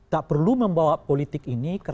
tak perlu membawa politik ini